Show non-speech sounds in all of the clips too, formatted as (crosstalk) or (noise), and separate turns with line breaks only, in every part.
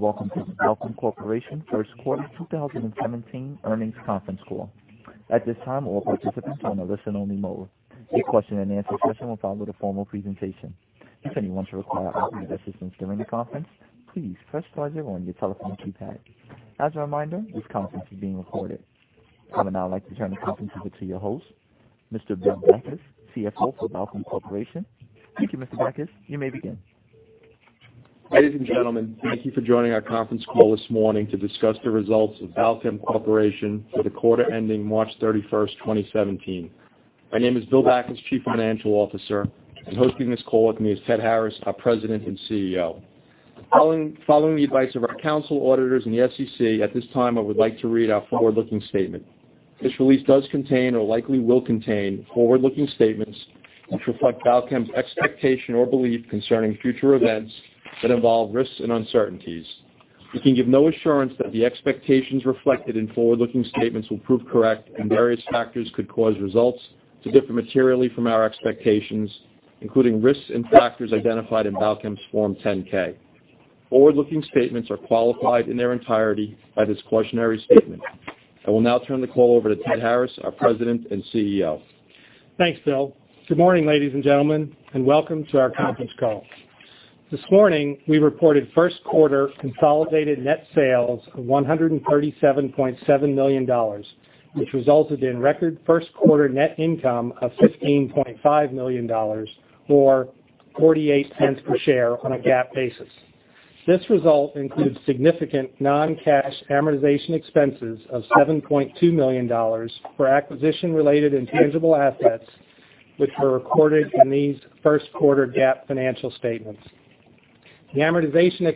Welcome to the Balchem Corporation first quarter 2017 earnings conference call. At this time, all participants are on a listen-only mode. A question and answer session will follow the formal presentation. If anyone should require operator assistance during the conference, please press star zero on your telephone keypad. As a reminder, this conference is being recorded. I would now like to turn the conference over to your host, Mr. Bill Backus, CFO for Balchem Corporation. Thank you, Mr. Backus. You may begin.
Ladies and gentlemen, thank you for joining our conference call this morning to discuss the results of Balchem Corporation for the quarter ending March 31st, 2017. My name is Bill Backus, Chief Financial Officer, and hosting this call with me is Ted Harris, our President and CEO. Following the advice of our council auditors and the SEC, at this time, I would like to read our forward-looking statement. This release does contain or likely will contain forward-looking statements which reflect Balchem's expectation or belief concerning future events that involve risks and uncertainties. We can give no assurance that the expectations reflected in forward-looking statements will prove correct, and various factors could cause results to differ materially from our expectations, including risks and factors identified in Balchem's Form 10-K. Forward-looking statements are qualified in their entirety by this cautionary statement. I will now turn the call over to Ted Harris, our President and CEO.
Thanks, Bill. Good morning, ladies and gentlemen, and welcome to our conference call. This morning, we reported first quarter consolidated net sales of $137.7 million, which resulted in record first quarter net income of $15.5 million, or $0.48 per share on a GAAP basis. This result includes significant non-cash amortization expenses of $7.2 million for acquisition-related intangible assets, which were recorded in these first quarter GAAP financial statements. In addition,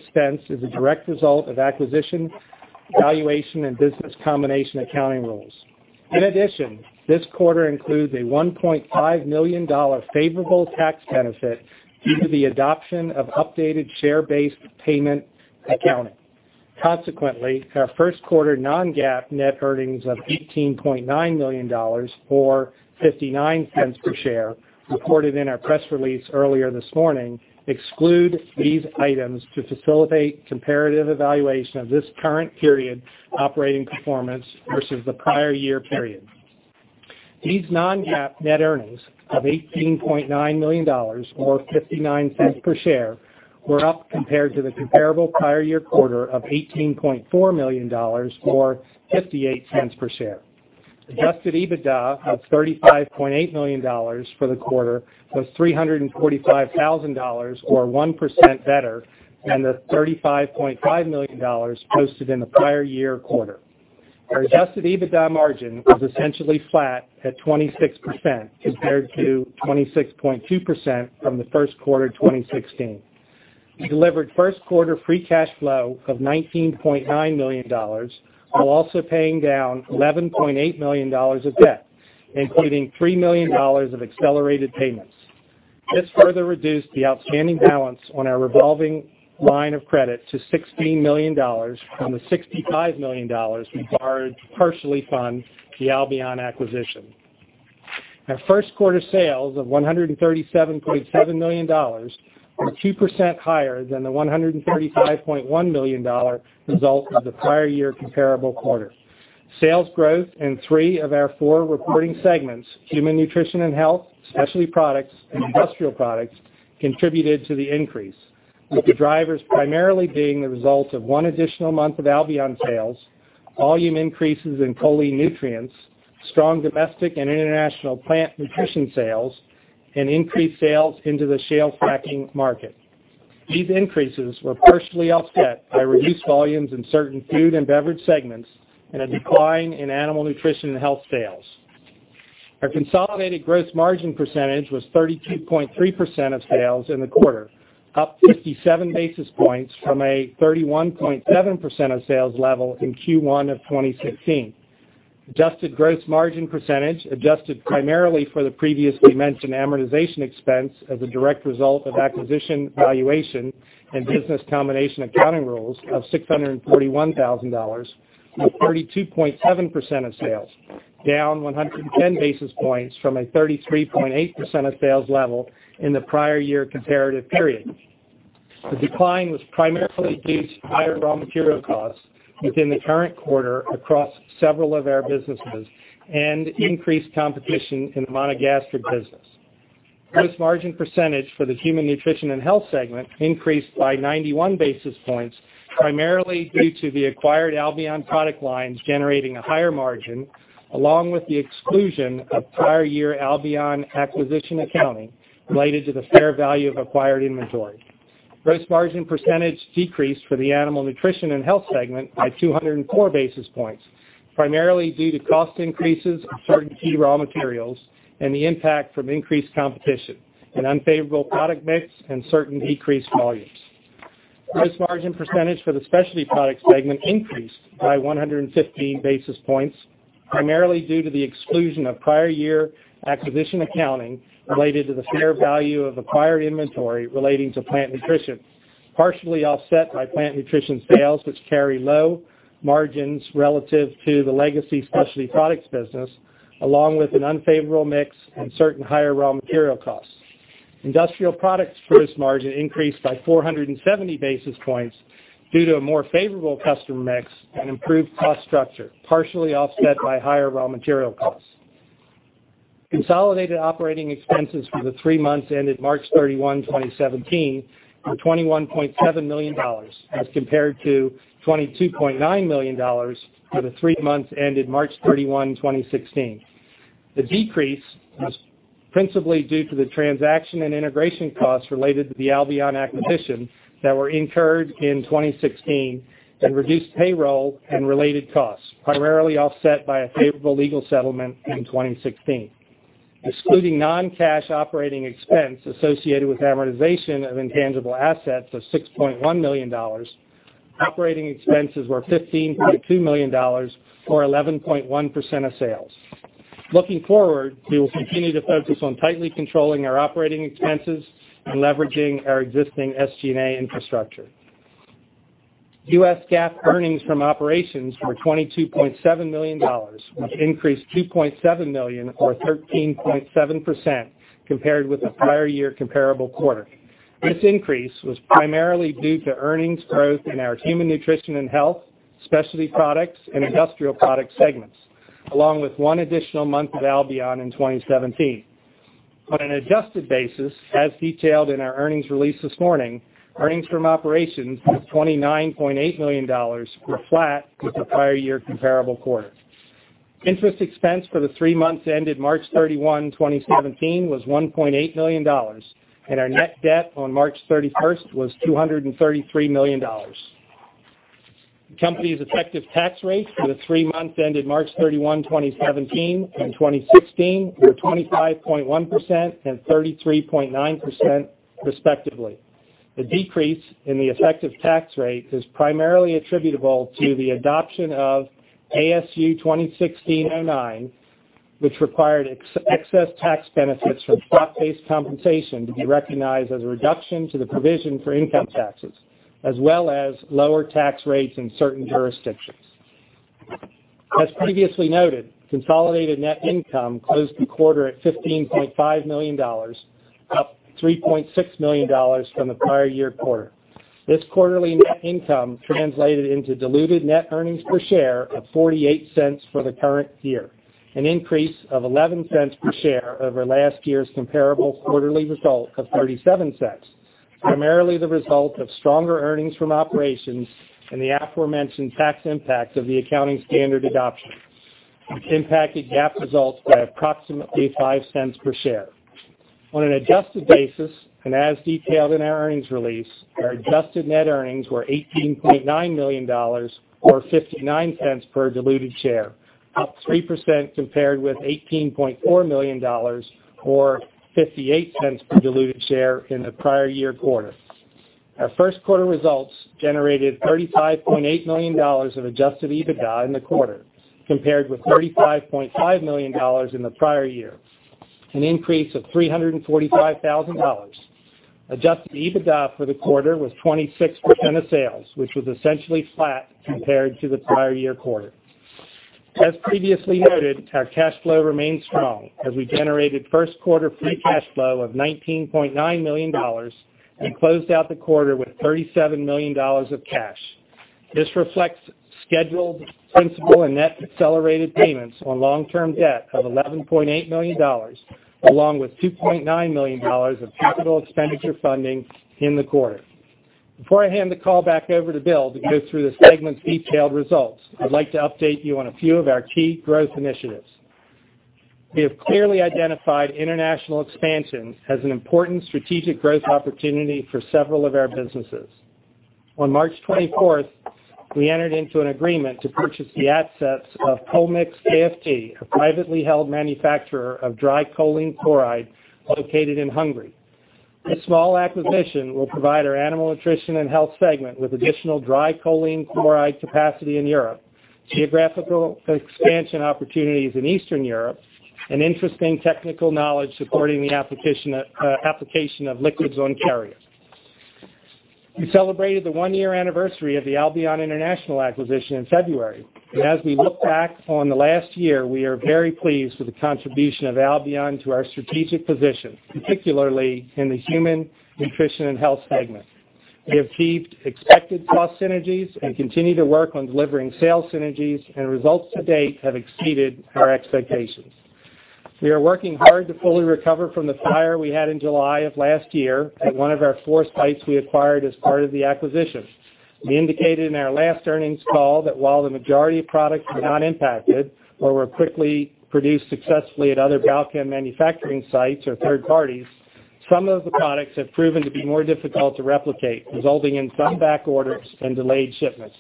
this quarter includes a $1.5 million favorable tax benefit due to the adoption of updated share-based payment accounting. Consequently, our first quarter non-GAAP net earnings of $18.9 million or $0.59 per share, reported in our press release earlier this morning, exclude these items to facilitate comparative evaluation of this current period's operating performance versus the prior year period. These non-GAAP net earnings of $18.9 million or $0.59 per share were up compared to the comparable prior year quarter of $18.4 million or $0.58 per share. Adjusted EBITDA of $35.8 million for the quarter was $345,000 or 1% better than the $35.5 million posted in the prior year quarter. Our adjusted EBITDA margin was essentially flat at 26% compared to 26.2% from the first quarter 2016. We delivered first quarter free cash flow of $19.9 million, while also paying down $11.8 million of debt, including $3 million of accelerated payments. This further reduced the outstanding balance on our revolving line of credit to $16 million from the $65 million we borrowed to partially fund the Albion acquisition. Our first quarter sales of $137.7 million are 2% higher than the $135.1 million result of the prior year comparable quarter. Sales growth in three of our four reporting segments, Human Nutrition and Health, Specialty Products, and Industrial Products, contributed to the increase, with the drivers primarily being the result of one additional month of Albion sales, volume increases in choline nutrients, strong domestic and international plant nutrition sales, and increased sales into the shale fracking market. These increases were partially offset by reduced volumes in certain food and beverage segments and a decline in Animal Nutrition and Health sales. Our consolidated gross margin percentage was 32.3% of sales in the quarter, up 57 basis points from a 31.7% of sales level in Q1 of 2016. Adjusted gross margin percentage adjusted primarily for the previously mentioned amortization expense as a direct result of acquisition, valuation, and business combination accounting rules of $641,000, or 32.7% of sales, down 110 basis points from a 33.8% of sales level in the prior year comparative period. The decline was primarily due to higher raw material costs within the current quarter across several of our businesses and increased competition in the monogastric business. Gross margin percentage for the Human Nutrition and Health segment increased by 91 basis points, primarily due to the acquired Albion product lines generating a higher margin, along with the exclusion of prior year Albion acquisition accounting related to the fair value of acquired inventory. Gross margin percentage decreased for the Animal Nutrition and Health segment by 204 basis points, primarily due to cost increases of certain key raw materials and the impact from increased competition, an unfavorable product mix, and certain decreased volumes. Gross margin percentage for the Specialty Products segment increased by 115 basis points, primarily due to the exclusion of prior year acquisition accounting related to the fair value of acquired inventory relating to plant nutrition, partially offset by plant nutrition sales, which carry low margins relative to the legacy Specialty Products business, along with an unfavorable mix and certain higher raw material costs. Industrial Products gross margin increased by 470 basis points due to a more favorable customer mix and improved cost structure, partially offset by higher raw material costs. Consolidated operating expenses for the three months ended March 31, 2017, were $21.7 million as compared to $22.9 million for the three months ended March 31, 2016. The decrease was principally due to the transaction and integration costs related to the Albion acquisition that were incurred in 2016 and reduced payroll and related costs, primarily offset by a favorable legal settlement in 2016. Excluding non-cash operating expense associated with amortization of intangible assets of $6.1 million, operating expenses were $15.2 million or 11.1% of sales. Looking forward, we will continue to focus on tightly controlling our operating expenses and leveraging our existing SG&A infrastructure. U.S. GAAP earnings from operations were $22.7 million, which increased $2.7 million or 13.7% compared with the prior year comparable quarter. This increase was primarily due to earnings growth in our Human Nutrition & Health, Specialty Products, and Industrial Products segments, along with one additional month of Albion in 2017. On an adjusted basis, as detailed in our earnings release this morning, earnings from operations was $29.8 million or flat with the prior year comparable quarter. Interest expense for the three months ended March 31, 2017, was $1.8 million, and our net debt on March 31st was $233 million. The company's effective tax rate for the three months ended March 31, 2017, and 2016 were 25.1% and 33.9%, respectively. The decrease in the effective tax rate is primarily attributable to the adoption of ASU 2016-09, which required excess tax benefits from stock-based compensation to be recognized as a reduction to the provision for income taxes, as well as lower tax rates in certain jurisdictions. As previously noted, consolidated net income closed the quarter at $15.5 million, up $3.6 million from the prior year quarter. This quarterly net income translated into diluted net earnings per share of $0.48 for the current year, an increase of $0.11 per share over last year's comparable quarterly result of $0.37, primarily the result of stronger earnings from operations and the aforementioned tax impact of the accounting standard adoption, which impacted GAAP results by approximately $0.05 per share. On an adjusted basis, and as detailed in our earnings release, our adjusted net earnings were $18.9 million or $0.59 per diluted share, up 3% compared with $18.4 million or $0.58 per diluted share in the prior year quarter. Our first quarter results generated $35.8 million of adjusted EBITDA in the quarter, compared with $35.5 million in the prior year, an increase of $345,000. Adjusted EBITDA for the quarter was 26% of sales, which was essentially flat compared to the prior year quarter. As previously noted, our cash flow remains strong as we generated first quarter free cash flow of $19.9 million and closed out the quarter with $37 million of cash. This reflects scheduled principal and net accelerated payments on long-term debt of $11.8 million, along with $2.9 million of capital expenditure funding in the quarter. Before I hand the call back over to Bill to go through the segment's detailed results, I'd like to update you on a few of our key growth initiatives. We have clearly identified international expansion as an important strategic growth opportunity for several of our businesses. On March 24th, we entered into an agreement to purchase the assets of Cholmix Kft., a privately held manufacturer of dry choline chloride located in Hungary. This small acquisition will provide our Animal Nutrition & Health segment with additional dry choline chloride capacity in Europe, geographical expansion opportunities in Eastern Europe, and interesting technical knowledge supporting the application of liquids on carriers. We celebrated the one-year anniversary of the Albion International acquisition in February. As we look back on the last year, we are very pleased with the contribution of Albion to our strategic position, particularly in the Human Nutrition & Health segment. We have achieved expected cost synergies and continue to work on delivering sales synergies, and results to date have exceeded our expectations. We are working hard to fully recover from the fire we had in July of last year at one of our four sites we acquired as part of the acquisition. We indicated in our last earnings call that while the majority of products were not impacted or were quickly produced successfully at other Balchem manufacturing sites or third parties, some of the products have proven to be more difficult to replicate, resulting in some back orders and delayed shipments.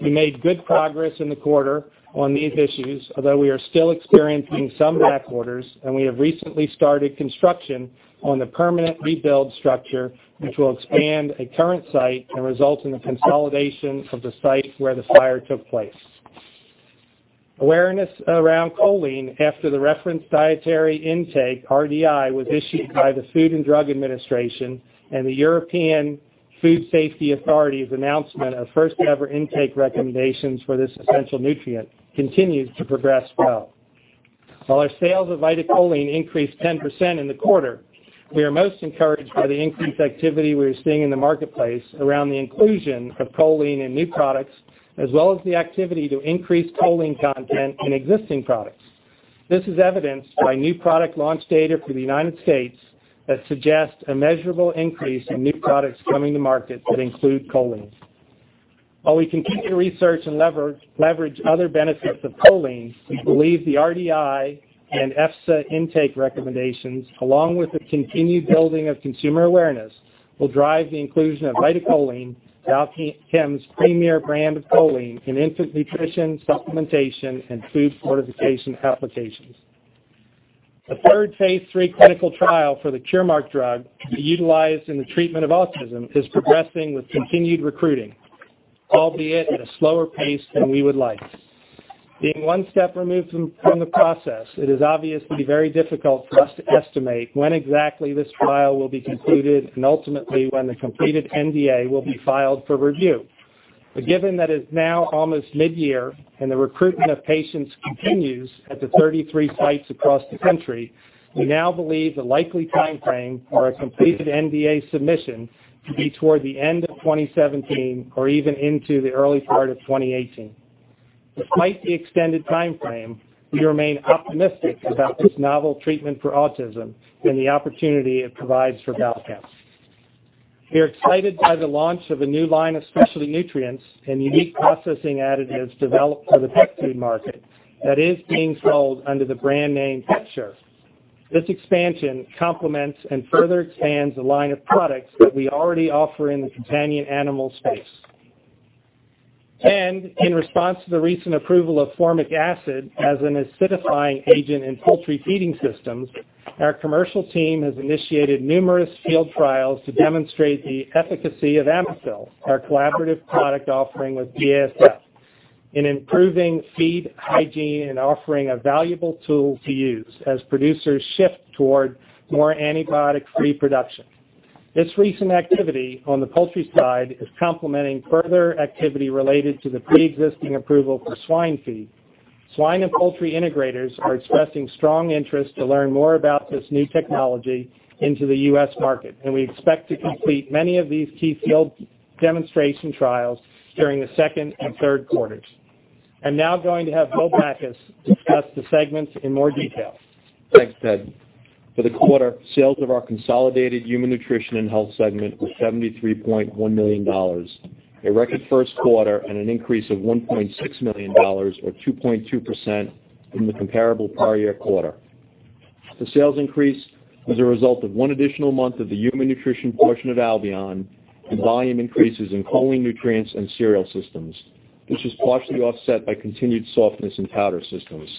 We made good progress in the quarter on these issues, although we are still experiencing some back orders, and we have recently started construction on the permanent rebuild structure, which will expand a current site and result in the consolidation of the site where the fire took place. Awareness around choline after the Reference Daily Intake, RDI, was issued by the Food and Drug Administration and the European Food Safety Authority's announcement of first-ever intake recommendations for this essential nutrient continues to progress well. While our sales of VitaCholine increased 10% in the quarter, we are most encouraged by the increased activity we are seeing in the marketplace around the inclusion of choline in new products, as well as the activity to increase choline content in existing products. This is evidenced by new product launch data for the United States that suggests a measurable increase in new products coming to market that include choline. While we continue research and leverage other benefits of choline, we believe the RDI and EFSA intake recommendations, along with the continued building of consumer awareness, will drive the inclusion of VitaCholine, Balchem's premier brand of choline, in infant nutrition, supplementation, and food fortification applications. The third phase III clinical trial for the Curemark drug, utilized in the treatment of autism, is progressing with continued recruiting, albeit at a slower pace than we would like. Being one step removed from the process, it is obviously very difficult for us to estimate when exactly this trial will be concluded and ultimately when the completed NDA will be filed for review. Given that it is now almost mid-year and the recruitment of patients continues at the 33 sites across the country, we now believe the likely timeframe for a completed NDA submission to be toward the end of 2017 or even into the early part of 2018. Despite the extended timeframe, we remain optimistic about this novel treatment for autism and the opportunity it provides for Balchem. We are excited by the launch of a new line of specialty nutrients and unique processing additives developed for the pet food market that is being sold under the brand name PetShure. This expansion complements and further expands the line of products that we already offer in the companion animal space. In response to the recent approval of formic acid as an acidifying agent in poultry feeding systems, our commercial team has initiated numerous field trials to demonstrate the efficacy of Amasil, our collaborative product offering with BASF, in improving feed hygiene and offering a valuable tool to use as producers shift toward more antibiotic-free production. This recent activity on the poultry side is complementing further activity related to the preexisting approval for swine feed. Swine and poultry integrators are expressing strong interest to learn more about this new technology into the U.S. market. We expect to complete many of these key field demonstration trials during the second and third quarters. I am now going to have Bill Backus discuss the segments in more detail.
Thanks, Ted. For the quarter, sales of our consolidated Human Nutrition & Health segment were $73.1 million, a record first quarter and an increase of $1.6 million, or 2.2%, from the comparable prior year quarter. The sales increase was a result of one additional month of the human nutrition portion of Albion and volume increases in choline nutrients and cereal systems. This was partially offset by continued softness in powder systems.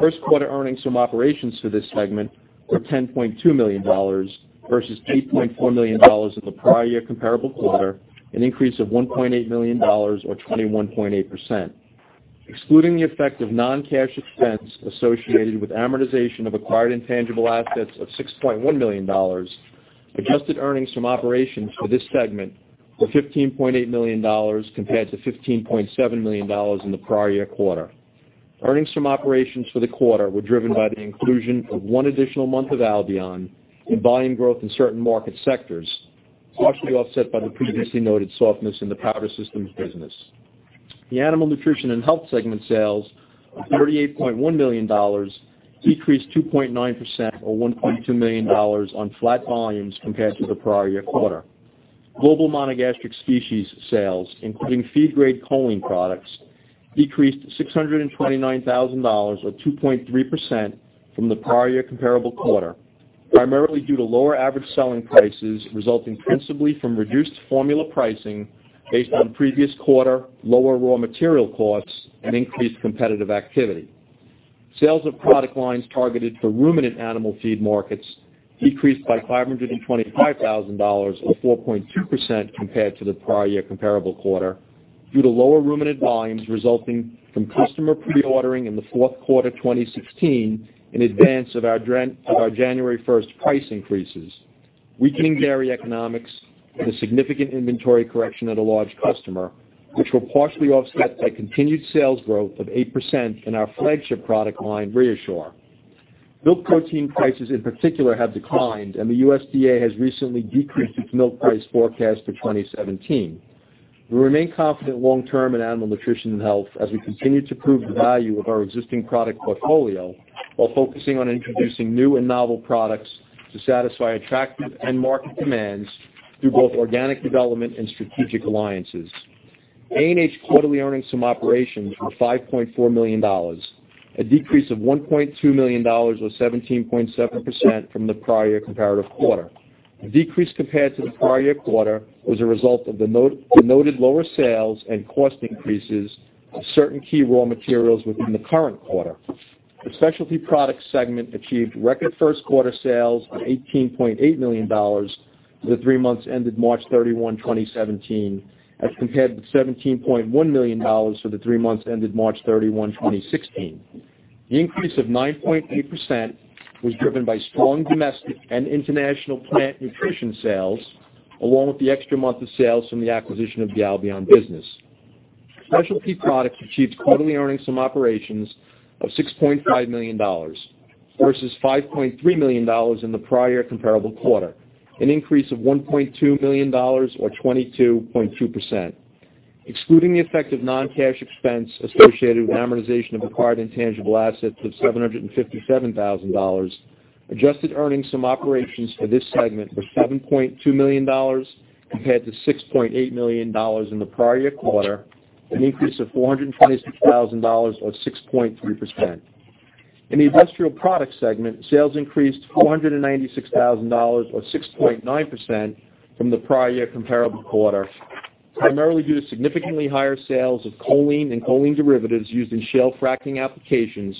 First quarter earnings from operations for this segment were $10.2 million versus $8.4 million in the prior year comparable quarter, an increase of $1.8 million or 21.8%. Excluding the effect of non-cash expense associated with amortization of acquired intangible assets of $6.1 million, adjusted earnings from operations for this segment were $15.8 million compared to $15.7 million in the prior year quarter. Earnings from operations for the quarter were driven by the inclusion of one additional month of Albion and volume growth in certain market sectors, partially offset by the previously noted softness in the powder systems business. The Animal Nutrition & Health segment sales of $38.1 million decreased 2.9%, or $1.2 million, on flat volumes compared to the prior year quarter. Global monogastric species sales, including feed-grade choline products, decreased $629,000, or 2.3%, from the prior year comparable quarter, primarily due to lower average selling prices resulting principally from reduced formula pricing based on previous quarter lower raw material costs and increased competitive activity. Sales of product lines targeted for ruminant animal feed markets decreased by $525,000, or 4.2%, compared to the prior year comparable quarter due to lower ruminant volumes resulting from customer pre-ordering in the fourth quarter 2016 in advance of our January 1st price increases, weakening dairy economics, and a significant inventory correction at a large customer, which were partially offset by continued sales growth of 8% in our flagship product line, ReaShure. Milk protein prices in particular have declined. The USDA has recently decreased its milk price forecast for 2017. We remain confident long term in Animal Nutrition & Health as we continue to prove the value of our existing product portfolio while focusing on introducing new and novel products to satisfy attractive end market demands through both organic development and strategic alliances. ANH quarterly earnings from operations were $5.4 million, a decrease of $1.2 million, or 17.7%, from the prior comparative quarter. The decrease compared to the prior year quarter was a result of the noted lower sales and cost increases of certain key raw materials within the current quarter. The Specialty Products segment achieved record first quarter sales of $18.8 million for the three months ended March 31, 2017, as compared with $17.1 million for the three months ended March 31, 2016. The increase of 9.8% was driven by strong domestic and international plant nutrition sales along with the extra month of sales from the acquisition of the Albion business. Specialty Products achieved quarterly earnings from operations of $6.5 million versus $5.3 million in the prior comparable quarter, an increase of $1.2 million or 22.2%. Excluding the effect of non-cash expense associated with amortization of acquired intangible assets of $757,000, adjusted earnings from operations for this segment were $7.2 million compared to $6.8 million in the prior quarter, an increase of $426,000 or 6.3%. In the Industrial Products segment, sales increased $496,000 or 6.9% from the prior year comparable quarter, primarily due to significantly higher sales of choline and choline derivatives used in shale fracking applications,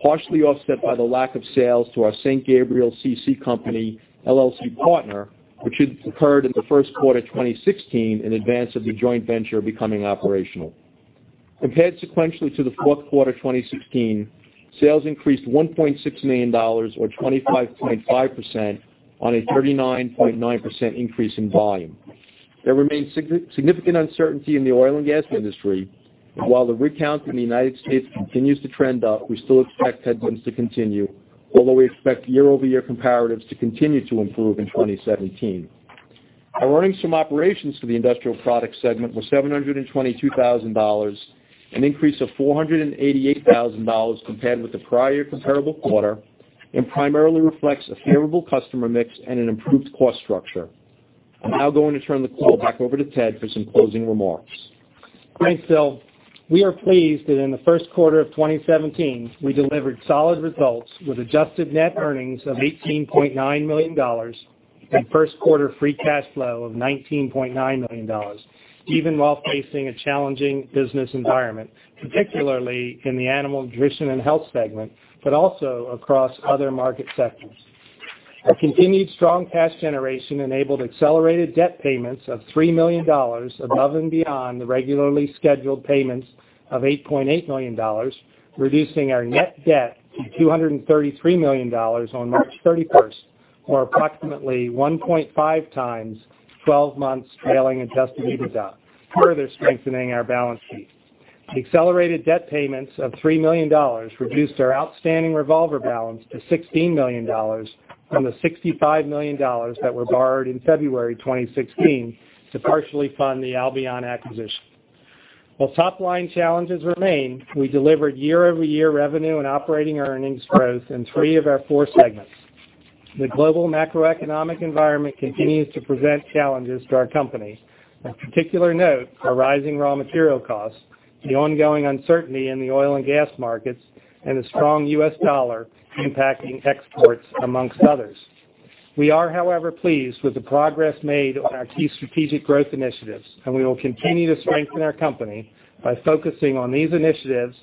partially offset by the lack of sales to our St. Gabriel CC Company, LLC partner, which had occurred in the first quarter 2016 in advance of the joint venture becoming operational. Compared sequentially to the fourth quarter 2016, sales increased $1.6 million or 25.5% on a 39.9% increase in volume. There remains significant uncertainty in the oil and gas industry, and while the rig count in the U.S. continues to trend up, we still expect headwinds to continue, although we expect year-over-year comparatives to continue to improve in 2017. Our earnings from operations for the Industrial Products segment were $722,000, an increase of $488,000 compared with the prior comparable quarter, and primarily reflects a favorable customer mix and an improved cost structure. I'm now going to turn the call back over to Ted for some closing remarks.
Thanks, Bill. We are pleased that in the first quarter of 2017, we delivered solid results with adjusted net earnings of $18.9 million and first quarter free cash flow of $19.9 million, even while facing a challenging business environment, particularly in the Animal Nutrition & Health segment, but also across other market sectors. Our continued strong cash generation enabled accelerated debt payments of $3 million above and beyond the regularly scheduled payments of $8.8 million, reducing our net debt to $233 million on March 31st or approximately 1.5 times 12 months trailing adjusted EBITDA, further strengthening our balance sheet. The accelerated debt payments of $3 million reduced our outstanding revolver balance to $16 million from the $65 million that were borrowed in February 2016 to partially fund the Albion acquisition. While top-line challenges remain, we delivered year-over-year revenue and operating earnings growth in three of our four segments. The global macroeconomic environment continues to present challenges to our company. Of particular note are rising raw material costs, the ongoing uncertainty in the oil and gas markets, and the strong U.S. dollar impacting exports amongst others. We are, however, pleased with the progress made on our key strategic growth initiatives, and we will continue to strengthen our company by focusing on these initiatives,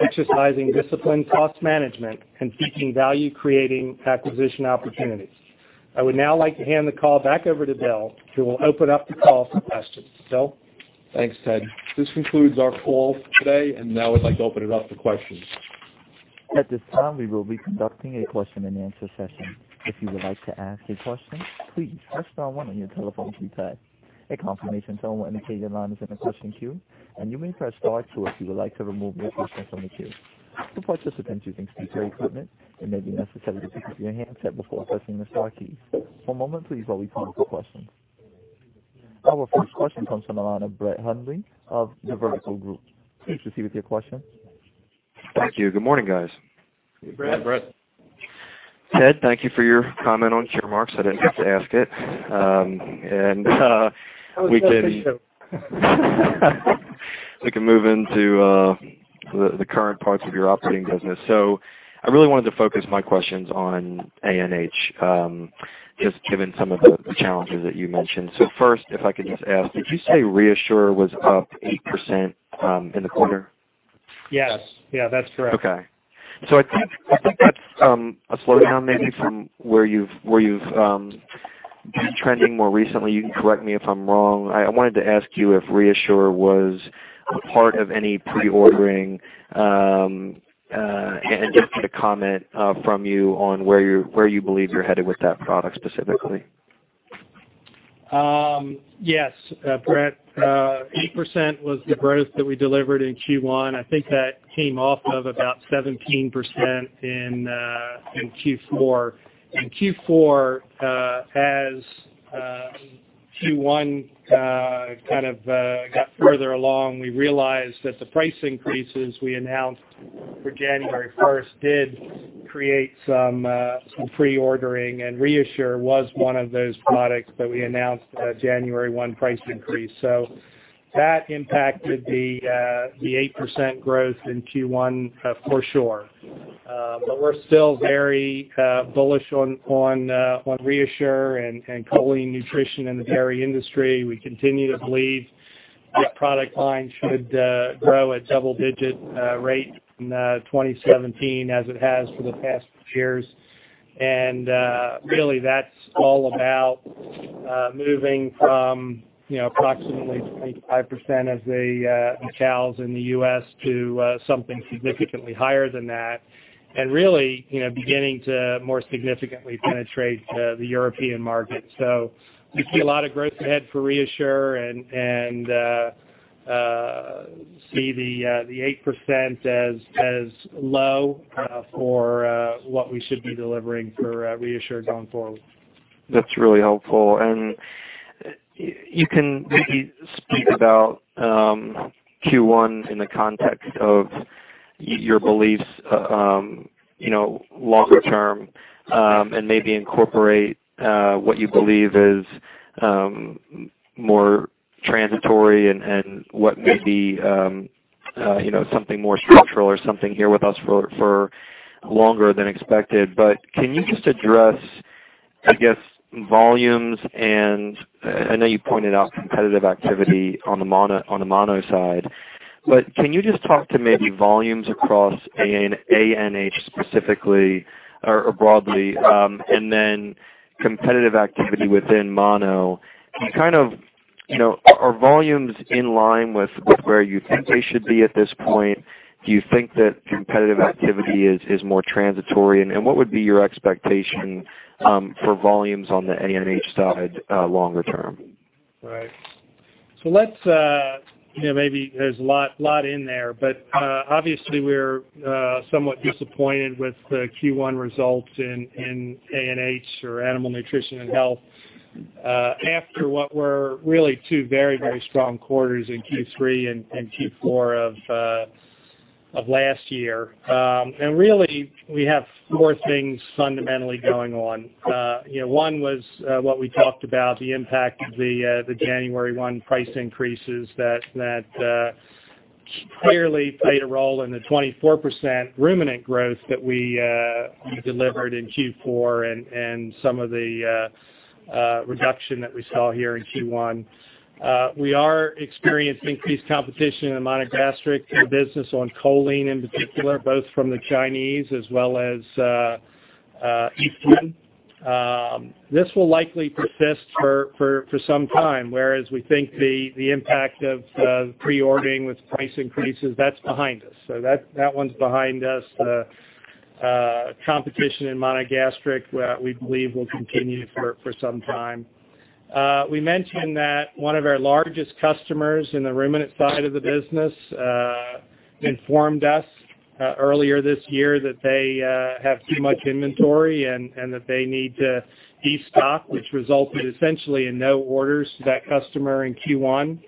exercising disciplined cost management, and seeking value-creating acquisition opportunities. I would now like to hand the call back over to Bill, who will open up the call for questions. Bill?
Thanks, Ted. This concludes our call today. Now I'd like to open it up to questions.
At this time, we will be conducting a question-and-answer session. If you would like to ask a question, please press star one on your telephone keypad. A confirmation tone will indicate your line is in the question queue, and you may press star two if you would like to remove your question from the queue. To participate using speaker equipment, it may be necessary to mute your handset before pressing the star key. One moment please while we queue up your questions. Our first question comes from the line of Brett Hundley of The Vertical Group. Please proceed with your question.
Thank you. Good morning, guys.
Hey, Brett.
Hey, Brett.
Ted, thank you for your comment on your remarks. I didn't have to ask it.
That was
We can move into the current parts of your operating business. I really wanted to focus my questions on ANH, just given some of the challenges that you mentioned. First, if I could just ask, did you say ReaShure was up 8% in the quarter?
Yes. Yeah, that's correct.
Okay. I think that's a slowdown maybe from where you've been trending more recently. You can correct me if I'm wrong. I wanted to ask you if ReaShure was part of any pre-ordering, and just get a comment from you on where you believe you're headed with that product specifically.
Yes, Brett, 80% was the growth that we delivered in Q1. I think that came off of about 17% in Q4. In Q4, as Q1 kind of got further along, we realized that the price increases we announced for January 1st did create some pre-ordering, and ReaShure was one of those products that we announced a January 1 price increase. That impacted the 8% growth in Q1 for sure. We're still very bullish on ReaShure and choline nutrition in the dairy industry. We continue to believe that product line should grow at double-digit rate in 2017 as it has for the past few years. Really that's all about moving from approximately 25% of the cows in the U.S. to something significantly higher than that and really beginning to more significantly penetrate the European market. We see a lot of growth ahead for ReaShure and see the 8% as low for what we should be delivering for ReaShure going forward.
That's really helpful. You can maybe speak about Q1 in the context of your beliefs longer term, and maybe incorporate what you believe is more transitory and what may be something more structural or something here with us for longer than expected. Can you just address, I guess, volumes and I know you pointed out competitive activity on the mono side, but can you just talk to maybe volumes across ANH specifically or broadly, and then competitive activity within mono? Are volumes in line with where you think they should be at this point? Do you think that competitive activity is more transitory, and what would be your expectation for volumes on the ANH side longer term?
Right. There's a lot in there. Obviously we're somewhat disappointed with the Q1 results in ANH or Animal Nutrition & Health, after what were really two very strong quarters in Q3 and Q4 of last year. Really, we have four things fundamentally going on. One was what we talked about, the impact of the January 1 price increases that clearly played a role in the 24% ruminant growth that we delivered in Q4 and some of the reduction that we saw here in Q1. We are experiencing increased competition in the monogastric, in the business on choline in particular, both from the Chinese as well as. (inaudible) This will likely persist for some time, whereas we think the impact of pre-ordering with price increases, that's behind us. That one's behind us. The competition in monogastric, we believe will continue for some time. We mentioned that one of our largest customers in the ruminant side of the business, informed us earlier this year that they have too much inventory and that they need to destock, which resulted essentially in no orders to that customer in Q1.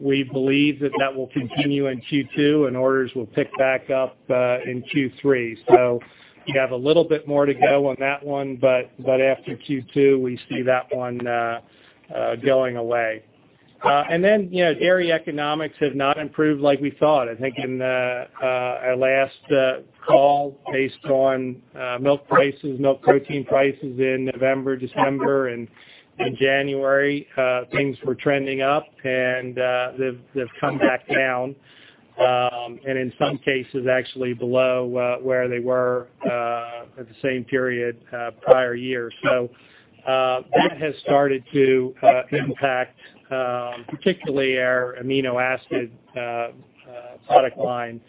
We believe that that will continue in Q2, and orders will pick back up in Q3. You have a little bit more to go on that one, but after Q2, we see that one going away. Then, dairy economics have not improved like we thought. I think in our last call based on milk prices, milk protein prices in November, December, and January, things were trending up and they've come back down. In some cases, actually below where they were at the same period prior year. That has started to impact particularly our amino acid product line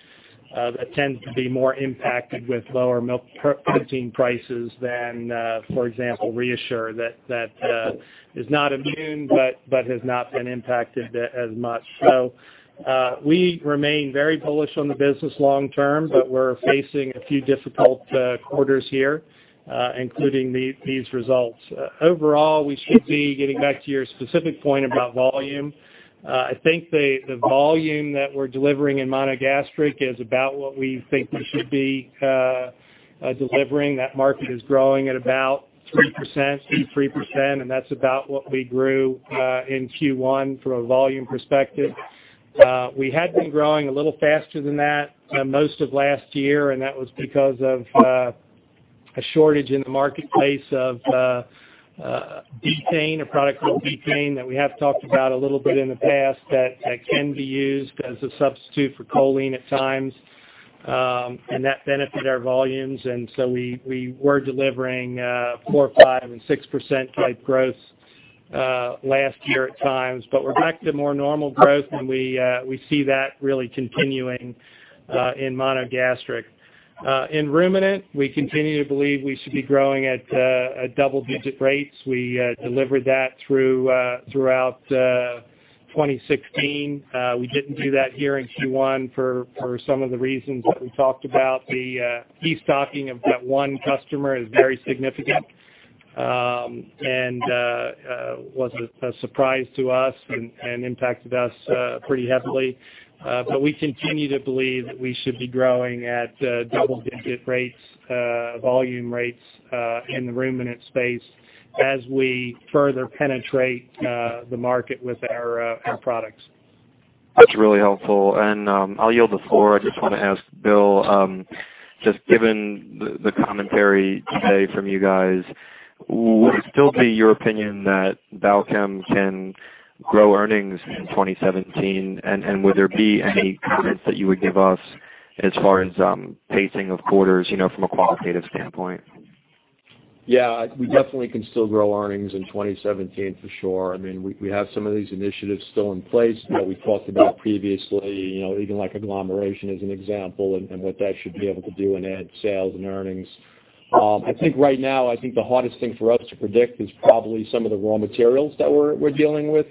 that tends to be more impacted with lower milk protein prices than for example, ReaShure that is not immune but has not been impacted as much. We remain very bullish on the business long term, but we're facing a few difficult quarters here, including these results. Overall, we should be getting back to your specific point about volume. I think the volume that we're delivering in monogastric is about what we think we should be delivering. That market is growing at about 3%, 2%, 3%, and that's about what we grew in Q1 from a volume perspective. We had been growing a little faster than that most of last year, that was because of a shortage in the marketplace of betaine, a product called betaine that we have talked about a little bit in the past that can be used as a substitute for choline at times. That benefited our volumes, we were delivering 4%, 5%, and 6% type growth last year at times. We're back to more normal growth, and we see that really continuing in monogastric. In ruminant, we continue to believe we should be growing at double-digit rates. We delivered that throughout 2016. We didn't do that here in Q1 for some of the reasons that we talked about. The destocking of that one customer is very significant and was a surprise to us and impacted us pretty heavily. We continue to believe that we should be growing at double-digit rates, volume rates in the ruminant space as we further penetrate the market with our products.
That's really helpful. I'll yield the floor. I just want to ask Bill, just given the commentary today from you guys, would it still be your opinion that Balchem can grow earnings in 2017? Would there be any comments that you would give us as far as pacing of quarters from a qualitative standpoint?
We definitely can still grow earnings in 2017 for sure. We have some of these initiatives still in place that we talked about previously, even like agglomeration as an example and what that should be able to do in add sales and earnings. I think right now, the hardest thing for us to predict is probably some of the raw materials that we're dealing with.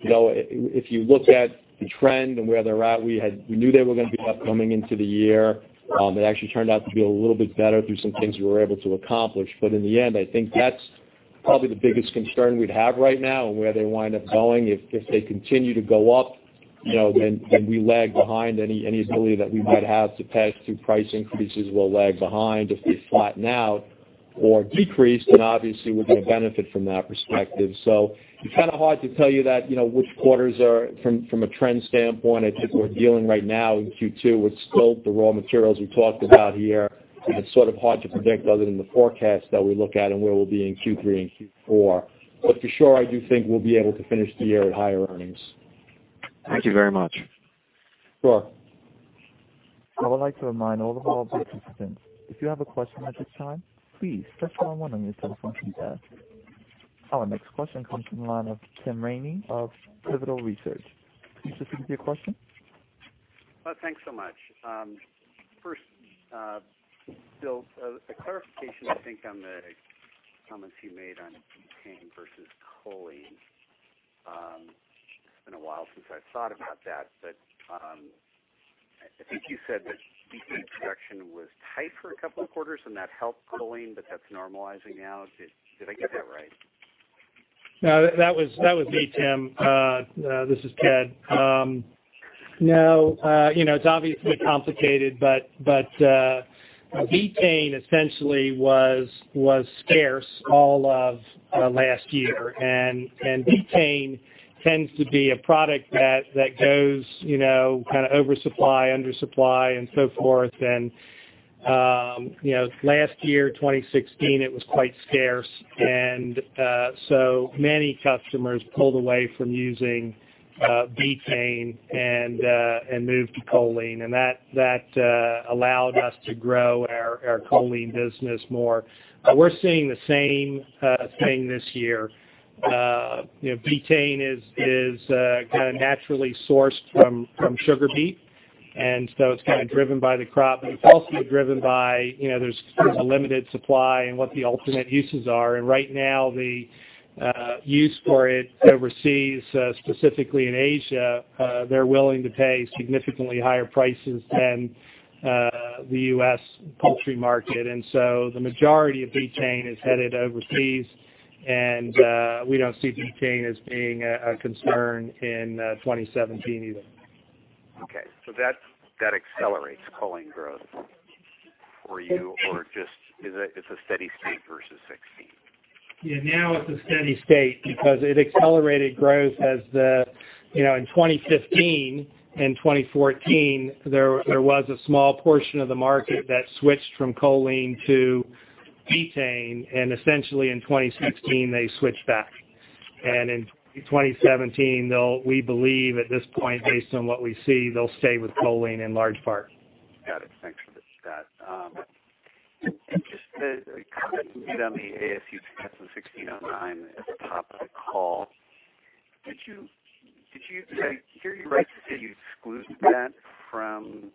If you look at the trend and where they're at, we knew they were going to be up coming into the year. It actually turned out to be a little bit better through some things we were able to accomplish. In the end, I think that's probably the biggest concern we'd have right now and where they wind up going. If they continue to go up, then we lag behind. Any ability that we might have to pass through price increases will lag behind. If they flatten out or decrease, then obviously we're going to benefit from that perspective. It's kind of hard to tell you that, which quarters are from a trend standpoint. I think we're dealing right now in Q2 with still the raw materials we talked about here, and it's sort of hard to predict other than the forecast that we look at and where we'll be in Q3 and Q4. For sure, I do think we'll be able to finish the year at higher earnings.
Thank you very much.
Sure.
I would like to remind all of our participants, if you have a question at this time, please press star one on your telephone keypads. Our next question comes from the line of Tim Ramey of Pivotal Research. Please proceed with your question.
Thanks so much. First, Bill, a clarification, I think, on the comments you made on betaine versus choline. It has been a while since I have thought about that, but I think you said that betaine production was tight for a couple of quarters, and that helped choline, but that is normalizing now. Did I get that right?
No, that was me, Tim. This is Ted. No. It is obviously complicated, betaine essentially was scarce all of last year, and betaine tends to be a product that goes kind of oversupply, undersupply, and so forth. Last year, 2016, it was quite scarce. Many customers pulled away from using betaine and moved to choline, and that allowed us to grow our choline business more. We are seeing the same thing this year. Betaine is kind of naturally sourced from sugar beet, it is kind of driven by the crop, but it is also driven by, there is a limited supply and what the ultimate uses are. Right now, the use for it overseas, specifically in Asia, they are willing to pay significantly higher prices than the U.S. poultry market. The majority of betaine is headed overseas, and we do not see betaine as being a concern in 2017 either.
Okay. That accelerates choline growth for you, or just it is a steady state versus 2016?
Now it's a steady state because it accelerated growth in 2015 and 2014, there was a small portion of the market that switched from choline to betaine, essentially in 2016, they switched back. In 2017, we believe at this point, based on what we see, they'll stay with choline in large part.
Got it. Thanks for that. Just the comment you made on the ASU 2016-09 at the top of the call, did I hear you right to say you excluded that from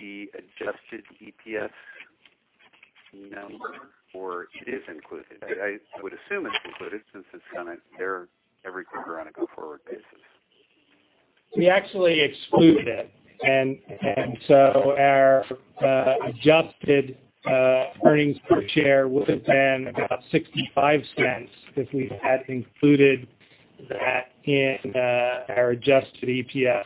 the adjusted EPS number, or it is included? I would assume it's included since it's going to compare every quarter on a go-forward basis.
We actually excluded it, our adjusted earnings per share would have been about $0.65 if we had included that in our adjusted EPS.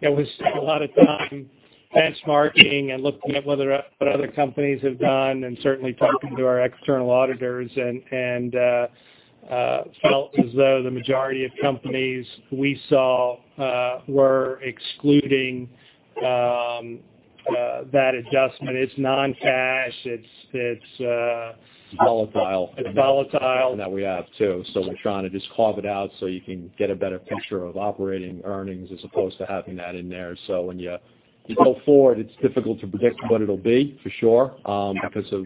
It was a lot of time benchmarking and looking at what other companies have done and certainly talking to our external auditors and felt as though the majority of companies we saw were excluding that adjustment. It's non-cash.
Volatile.
It's volatile.
We have, too. We're trying to just carve it out so you can get a better picture of operating earnings as opposed to having that in there. When you go forward, it's difficult to predict what it'll be, for sure, because of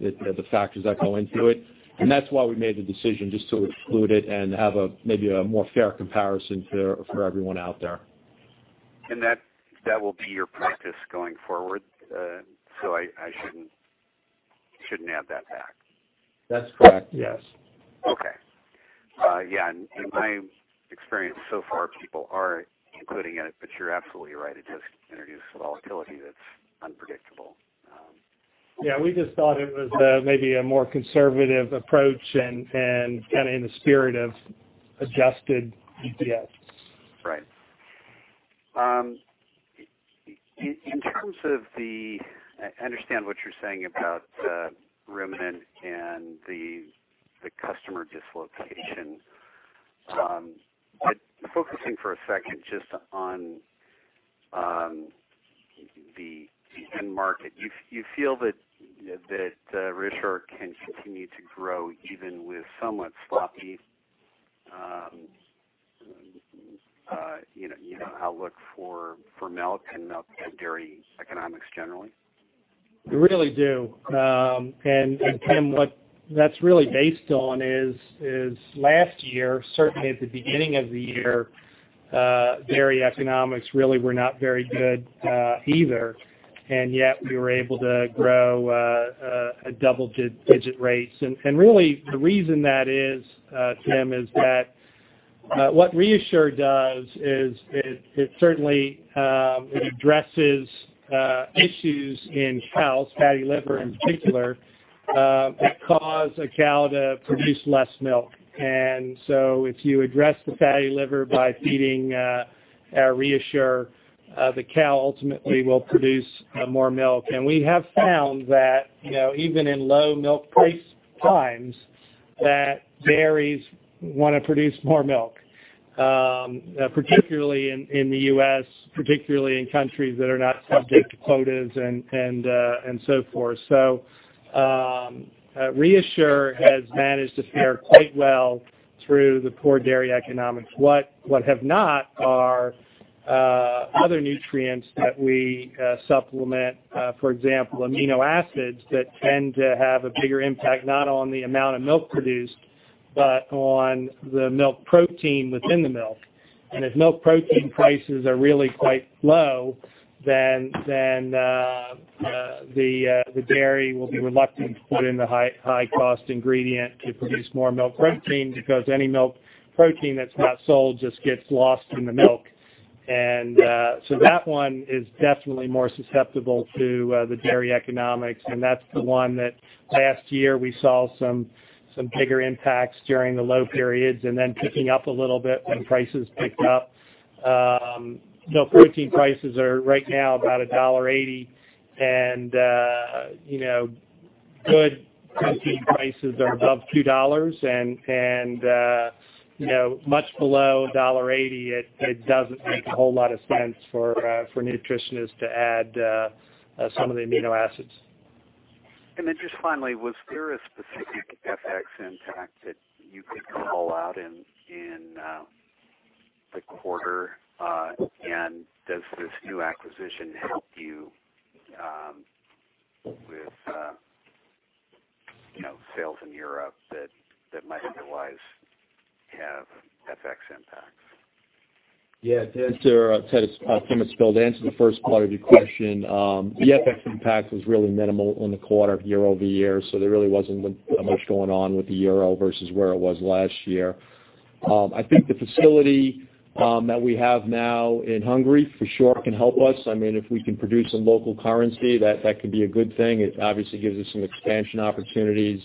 the factors that go into it. That's why we made the decision just to exclude it and have maybe a more fair comparison for everyone out there.
That will be your practice going forward? I shouldn't add that back.
That's correct.
Yes.
Okay. Yeah, in my experience so far, people are including it, you're absolutely right. It just introduces volatility that's unpredictable.
Yeah, we just thought it was maybe a more conservative approach and kind of in the spirit of adjusted EPS.
Right. I understand what you're saying about ruminant and the customer dislocation. Focusing for a second just on the end market, you feel that ReaShure can continue to grow even with somewhat sloppy outlook for milk and dairy economics generally?
We really do. Tim, what that's really based on is last year, certainly at the beginning of the year, dairy economics really were not very good either. Yet we were able to grow a double-digit rate. Really the reason that is, Tim, is that what ReaShure does is it certainly addresses issues in cows, fatty liver in particular, that cause a cow to produce less milk. So if you address the fatty liver by feeding our ReaShure, the cow ultimately will produce more milk. We have found that even in low milk price times, that dairies want to produce more milk, particularly in the U.S., particularly in countries that are not subject to quotas and so forth. ReaShure has managed to fare quite well through the poor dairy economics. What have not are other nutrients that we supplement, for example, amino acids that tend to have a bigger impact, not on the amount of milk produced, but on the milk protein within the milk. If milk protein prices are really quite low, then the dairy will be reluctant to put in the high cost ingredient to produce more milk protein, because any milk protein that's not sold just gets lost in the milk. So that one is definitely more susceptible to the dairy economics, and that's the one that last year we saw some bigger impacts during the low periods and then picking up a little bit when prices picked up. Milk protein prices are right now about $1.80 and good protein prices are above $2.00 and much below $1.80, it doesn't make a whole lot of sense for nutritionists to add some of the amino acids.
Just finally, was there a specific FX impact that you could call out in the quarter? Does this new acquisition help you with sales in Europe that might otherwise have FX impacts?
Yeah, Tim, it's Bill. To answer the first part of your question, the FX impact was really minimal in the quarter year-over-year, there really wasn't much going on with the euro versus where it was last year. I think the facility that we have now in Hungary, for sure can help us. If we can produce in local currency, that could be a good thing. It obviously gives us some expansion opportunities,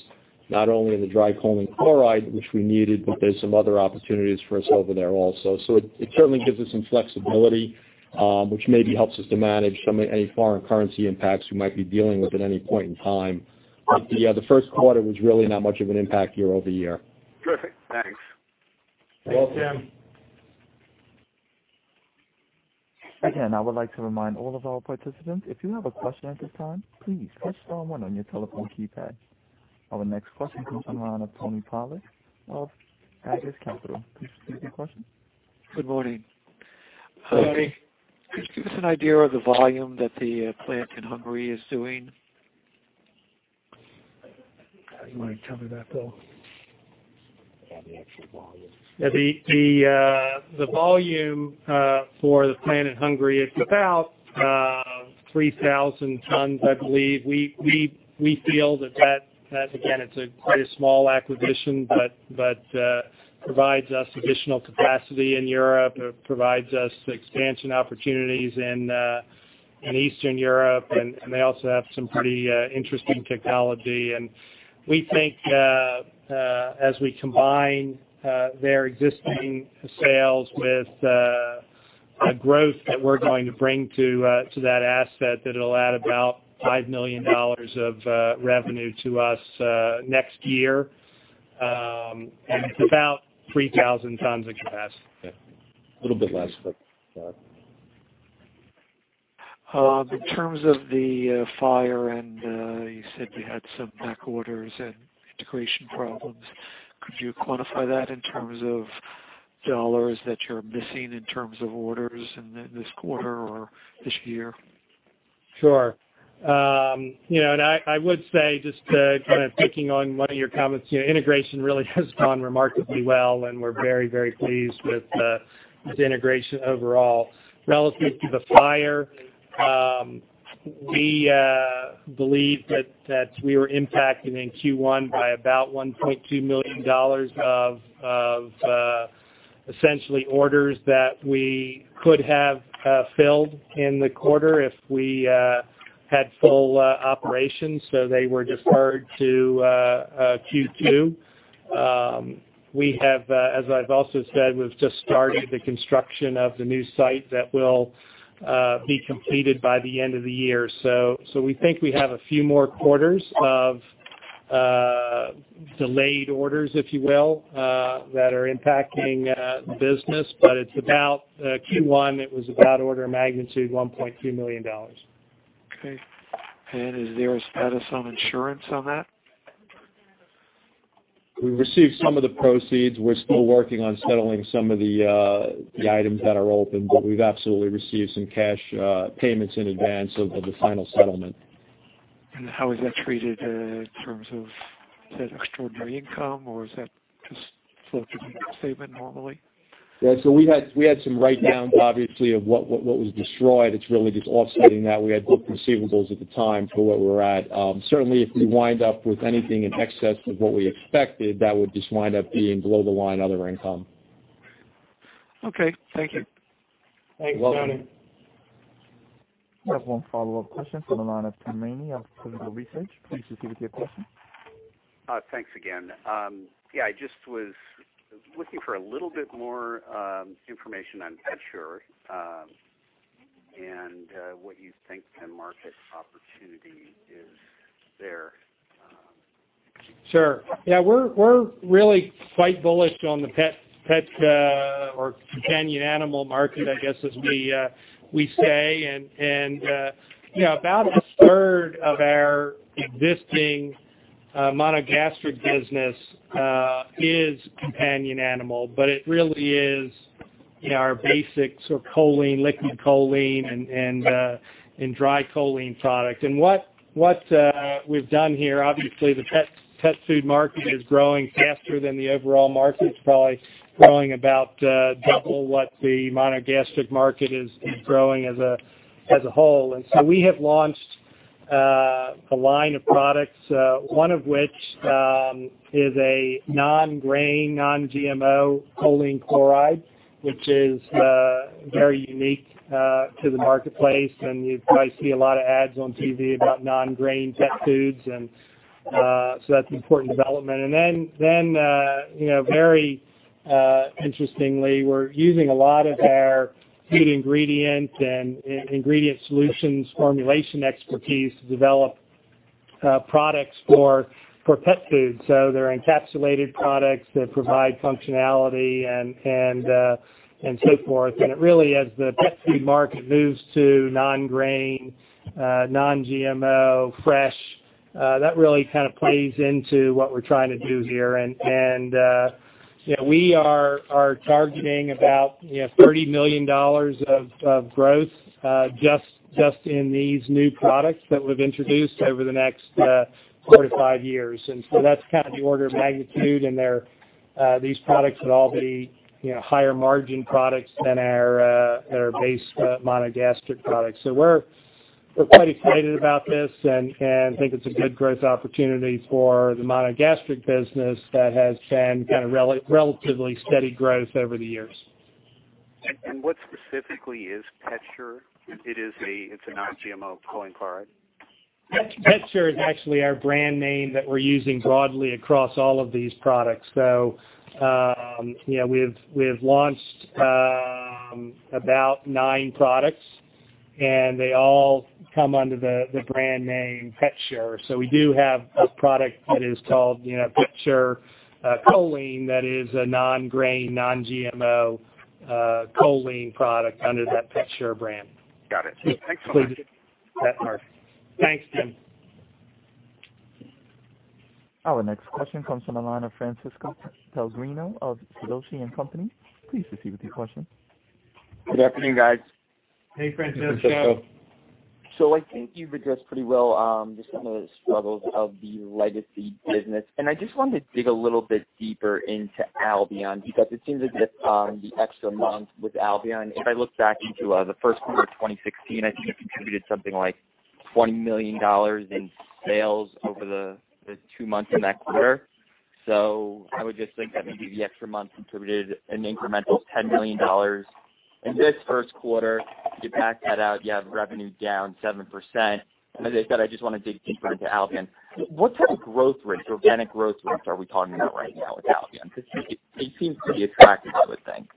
not only in the dry choline chloride, which we needed, but there's some other opportunities for us over there also. It certainly gives us some flexibility, which maybe helps us to manage some of any foreign currency impacts we might be dealing with at any point in time. Yeah, the first quarter was really not much of an impact year-over-year.
Perfect. Thanks.
You're welcome.
Again, I would like to remind all of our participants, if you have a question at this time, please press star one on your telephone keypad. Our next question comes on the line of Anthony Polak of Aegis Capital. Please proceed with your question.
Good morning.
Good morning.
Could you give us an idea of the volume that the plant in Hungary is doing?
Do you mind telling me that, Phil?
About the actual volume.
The volume for the plant in Hungary is about 3,000 tons, I believe. We feel that, again, it's quite a small acquisition, but provides us additional capacity in Europe. It provides us expansion opportunities in Eastern Europe, and they also have some pretty interesting technology. We think as we combine their existing sales with growth that we're going to bring to that asset, that it'll add about $5 million of revenue to us next year. It's about 3,000 tons of capacity.
Okay. A little bit less than that.
In terms of the fire, you said you had some back orders and integration problems, could you quantify that in terms of $ that you're missing in terms of orders in this quarter or this year?
Sure. I would say, just to kind of taking on one of your comments, integration really has gone remarkably well, and we're very, very pleased with the integration overall. Relative to the fire, we believe that we were impacted in Q1 by about $1.2 million of essentially orders that we could have filled in the quarter if we had full operations. They were deferred to Q2. We have, as I've also said, we've just started the construction of the new site that will be completed by the end of the year. We think we have a few more quarters of delayed orders, if you will, that are impacting business. Q1, it was about order of magnitude $1.2 million.
Okay. Is there a status on insurance on that?
We received some of the proceeds. We're still working on settling some of the items that are open, we've absolutely received some cash payments in advance of the final settlement.
How is that treated in terms of, is that extraordinary income or is that just flowed through the income statement normally?
We had some write-downs, obviously, of what was destroyed. It's really just offsetting that. We had book receivables at the time for what we were at. Certainly, if we wind up with anything in excess of what we expected, that would just wind up being below the line other income.
Thank you.
You're welcome.
Thanks, Tony.
We have one follow-up question from the line of Tim Ramey of Pivotal Research. Please proceed with your question.
Thanks again. Yeah, I just was looking for a little bit more information on PetShure, and what you think the market opportunity is there.
Sure. Yeah, we're really quite bullish on the pet, or companion animal market, I guess, as we say. About a third of our existing monogastric business is companion animal, but it really is our basic sort of choline, liquid choline, and dry choline product. What we've done here, obviously, the pet food market is growing faster than the overall market. It's probably growing about double what the monogastric market is growing as a whole. We have launched a line of products, one of which is a non-grain, non-GMO choline chloride, which is very unique to the marketplace. You probably see a lot of ads on TV about non-grain pet foods. That's an important development. Then, very interestingly, we're using a lot of our food ingredient and ingredient solutions formulation expertise to develop products for pet food. They're encapsulated products that provide functionality and so forth. It really, as the pet food market moves to non-grain, non-GMO, fresh, that really kind of plays into what we're trying to do here. We are targeting about $30 million of growth, just in these new products that we've introduced over the next four to five years. That's kind of the order of magnitude, and these products would all be higher margin products than our base monogastric products. We're quite excited about this and think it's a good growth opportunity for the monogastric business that has been kind of relatively steady growth over the years.
What specifically is PetShure? It's a non-GMO choline chloride?
PetShure is actually our brand name that we're using broadly across all of these products. We've launched about nine products, and they all come under the brand name PetShure. We do have a product that is called PetShure Choline that is a non-grain, non-GMO choline product under that PetShure brand.
Got it. Excellent.
Thanks, Tim.
Our next question comes from the line of Francesco Pellegrino of Sidoti & Company. Please proceed with your question.
Good afternoon, guys.
Hey, Francesco.
I think you've addressed pretty well just some of the struggles of the legacy business. I just wanted to dig a little bit deeper into Albion, because it seems as if the extra month with Albion, if I look back into the first quarter of 2016, I think it contributed something like $20 million in sales over the 2 months in that quarter. I would just think that maybe the extra month contributed an incremental $10 million in this first quarter. If you back that out, you have revenue down 7%. As I said, I just want to dig deeper into Albion. What type of growth rates, organic growth rates are we talking about right now with Albion? Because it seems pretty attractive, I would think.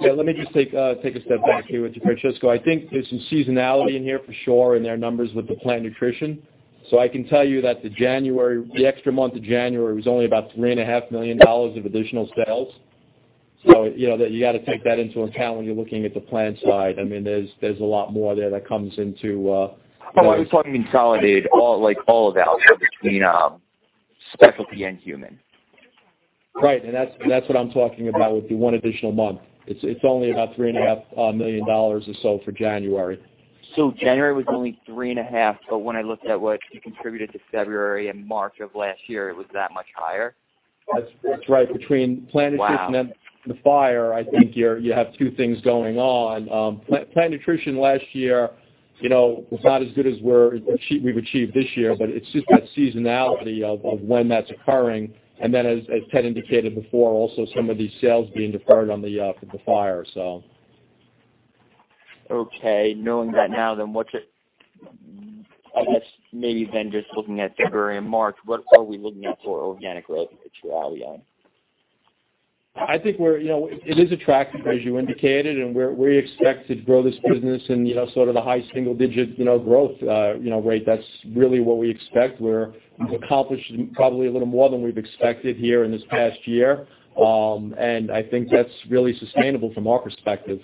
Let me just take a step back here with you, Francisco. I think there's some seasonality in here for sure in their numbers with the plant nutrition. I can tell you that the extra month of January was only about $3.5 million of additional sales. You got to take that into account when you're looking at the plant side.
I was talking consolidated, like all of Albion between Specialty and Human.
Right. That's what I'm talking about with the one additional month. It's only about $3.5 million or so for January.
January was only three and a half, but when I looked at what you contributed to February and March of last year, it was that much higher?
That's right. Between
Wow
nutrition and the fire, I think you have two things going on. Plant nutrition last year, was not as good as we've achieved this year, but it's just that seasonality of when that's occurring. Then as Ted indicated before, also some of these sales being deferred on the fire.
Knowing that now, then, I guess maybe then just looking at February and March, what are we looking at for organic growth into Albion?
I think it is attractive, as you indicated, and we expect to grow this business in sort of the high single-digit growth rate. That's really what we expect. We've accomplished probably a little more than we've expected here in this past year. I think that's really sustainable from our perspective.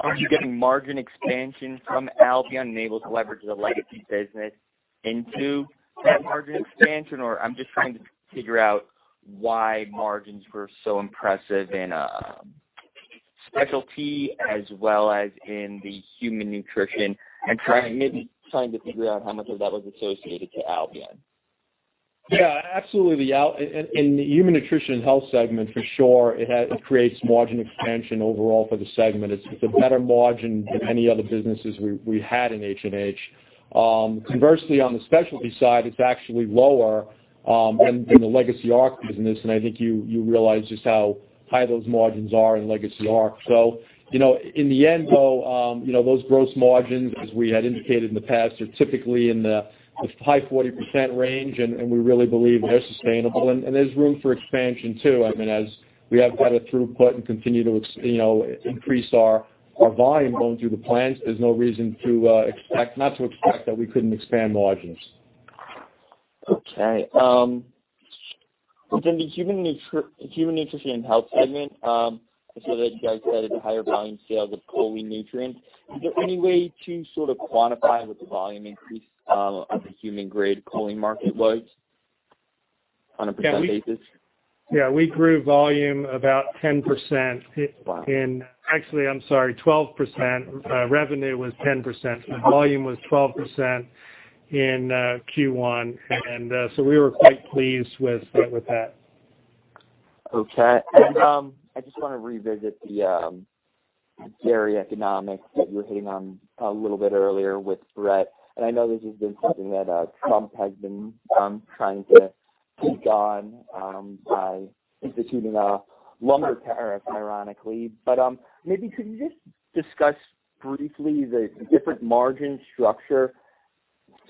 Are you getting margin expansion from Albion and able to leverage the legacy business into that margin expansion? I'm just trying to figure out why margins were so impressive in Specialty, as well as in the Human Nutrition & Health. Correct, maybe trying to figure out how much of that was associated to Albion.
Yeah, absolutely. In the Human Nutrition & Health segment, for sure, it creates margin expansion overall for the segment. It's a better margin than any other businesses we had in H&H. Conversely, on the Specialty side, it's actually lower than the legacy ARC business. I think you realize just how high those margins are in legacy ARC. In the end, though, those gross margins, as we had indicated in the past, are typically in the high 40% range, we really believe they're sustainable. There's room for expansion, too. As we have better throughput and continue to increase our volume going through the plants, there's no reason not to expect that we couldn't expand margins.
Okay. Within the Human Nutrition & Health segment, I saw that you guys had higher volume sales of choline nutrients. Is there any way to sort of quantify what the volume increase of the human-grade choline market was on a % basis?
Yeah. We grew volume about 10%-
Wow.
Actually, I'm sorry, 12%. Revenue was 10%. The volume was 12% in Q1. We were quite pleased with that.
Okay. I just want to revisit the dairy economics that you were hitting on a little bit earlier with Brett. I know this has been something that Trump has been trying to take on by instituting a lumber tariff, ironically. Maybe could you just discuss briefly the different margin structure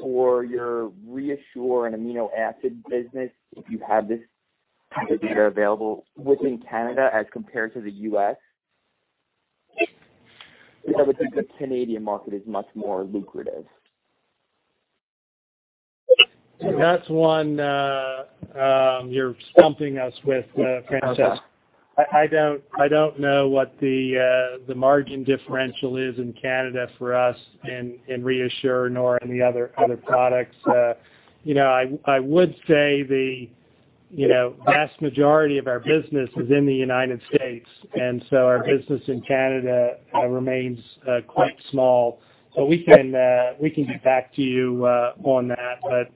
for your ReaShure and amino acid business, if you have the figures available, within Canada as compared to the U.S.? Because I would think the Canadian market is much more lucrative.
That's one you're stumping us with, Francisco.
Okay.
I don't know what the margin differential is in Canada for us in ReaShure nor any other products. I would say the vast majority of our business is in the U.S., our business in Canada remains quite small. We can get back to you on that,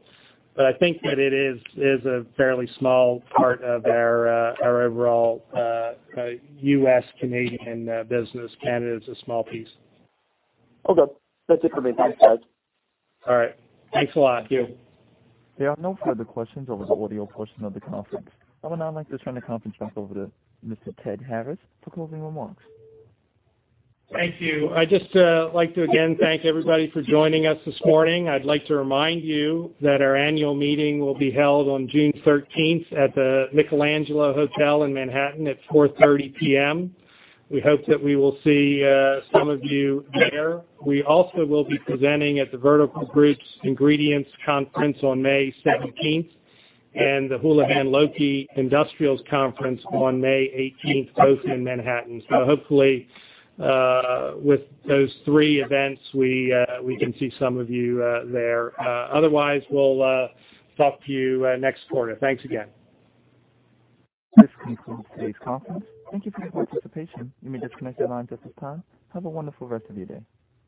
but I think that it is a fairly small part of our overall U.S., Canadian business. Canada is a small piece.
Okay. That's it for me. Thanks, guys.
All right. Thanks a lot.
Thank you.
There are no further questions over the audio portion of the conference. I would now like to turn the conference back over to Mr. Ted Harris for closing remarks.
Thank you. I'd just like to, again, thank everybody for joining us this morning. I'd like to remind you that our annual meeting will be held on June 13th at the Michelangelo Hotel in Manhattan at 4:30 P.M. We hope that we will see some of you there. We also will be presenting at the Vertical Group's Ingredients Conference on May 17th and the Houlihan Lokey Industrials Conference on May 18th, both in Manhattan. Hopefully, with those three events, we can see some of you there. Otherwise, we'll talk to you next quarter. Thanks again.
This concludes today's conference. Thank you for your participation. You may disconnect your lines at this time. Have a wonderful rest of your day.